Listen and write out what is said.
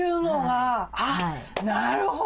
あなるほど。